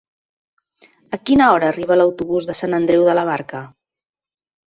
A quina hora arriba l'autobús de Sant Andreu de la Barca?